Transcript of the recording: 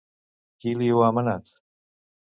Qui li ho ha manat?